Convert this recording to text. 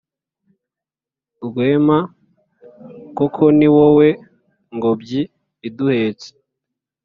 rwema, koko ni wowe ngobyi iduhetse.